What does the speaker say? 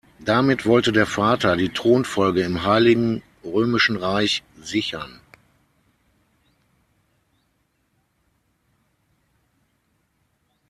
Damit wollte der Vater die Thronfolge im Heiligen Römischen Reich sichern.